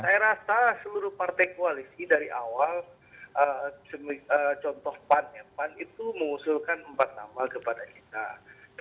saya rasa seluruh partai koalisi dari awal contoh pan itu mengusulkan empat nama kepada kita